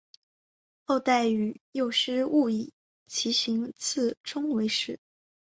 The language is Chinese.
后代以右师戊以其行次仲为氏。